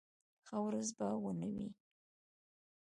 ښه ورځ به و نه وي.